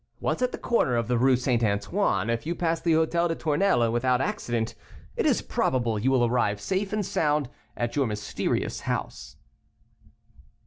Once at the corner of the Rue St. Antoine, if you pass the Hôtel des Tournelles without accident, it is probable you will arrive safe and sound at your mysterious house."